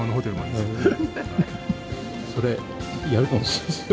それ、やるかもしれないです